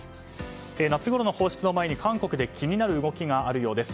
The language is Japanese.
夏ごろの放出を前に、韓国で気になる動きがあるようです。